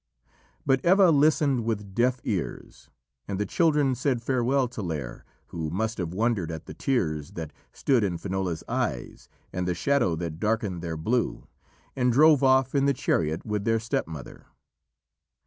But Eva listened with deaf ears, and the children said farewell to Lîr, who must have wondered at the tears that stood in Finola's eyes and the shadow that darkened their blue, and drove off in the chariot with their stepmother.